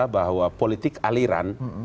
bahwa politik aliran